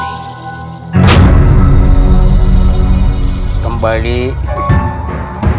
sampai jumpa lagi